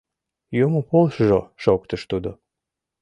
— Юмо полшыжо, — шоктыш тудо.